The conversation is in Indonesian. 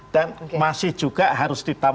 dan masih juga harus ditutup